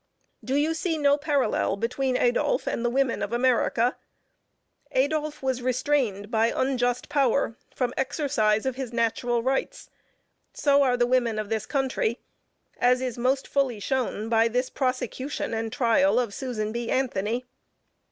Do you see no parallel between Adolph and the women of America? Adolph was restrained by unjust power from exercise of his natural rights, so are the women of this country, as is most fully shown, by this prosecution and trial of Susan B. Anthony.